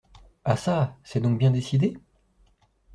Ah çà ! c’est donc bien décidé ?…